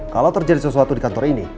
kalau terjadi sesuatu di kantor ini